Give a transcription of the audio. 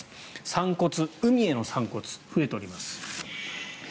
散骨、海への散骨増えております。